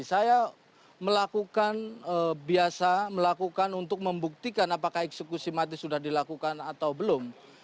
saya melakukan biasa melakukan untuk membuktikan apakah eksekusi mati sudah dilakukan atau belum